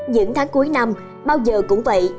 những tháng cuối năm bao giờ cũng vậy